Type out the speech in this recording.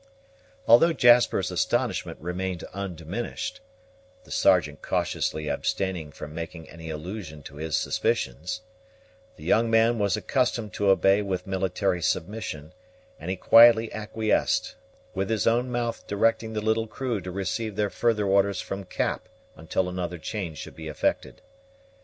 Although Jasper's astonishment remained undiminished, the Sergeant cautiously abstaining from making any allusion to his suspicions, the young man was accustomed to obey with military submission; and he quietly acquiesced, with his own mouth directing the little crew to receive their further orders from Cap until another change should be effected.